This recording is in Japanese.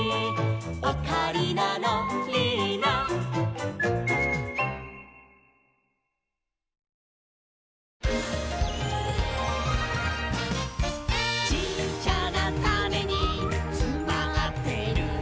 「オカリナのリーナ」「ちっちゃなタネにつまってるんだ」